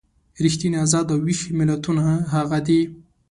ریښتیني ازاد او ویښ ملتونه هغه دي.